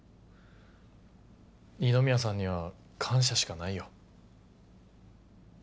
二宮さんには感謝しかないよ。